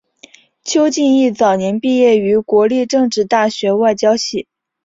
邱进益早年毕业于国立政治大学外交系。